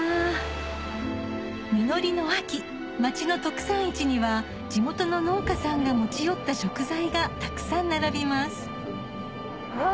実りの秋町の特産市には地元の農家さんが持ち寄った食材がたくさん並びますうわ